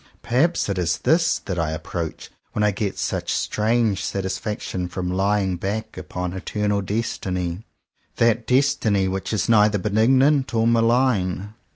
Perhaps it is this that I approach when I get such strange satisfaction from *' lying back" upon eternal Destiny — that Destiny which is neither benignant nor malign.